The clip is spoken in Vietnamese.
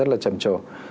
rất là trầm trồ